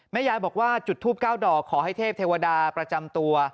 ยายบอกว่าจุดทูป๙ดอกขอให้เทพเทวดาประจำตัว